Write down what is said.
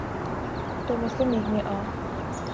تو مسلم لیگ میں آ۔